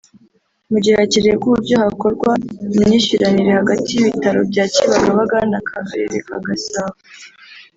mu gihe hakirebwa uburyo hakorwa imyishyuranire hagati y’ibitaro bya Kibagabaga n’Akarere ka Gasabo